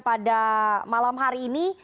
pada malam hari ini